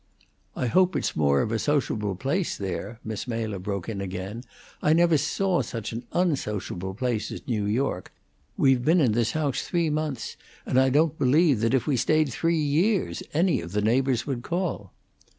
"I hope it's more of a sociable place there," Miss Mela broke in again. "I never saw such an unsociable place as New York. We've been in this house three months, and I don't believe that if we stayed three years any of the neighbors would call."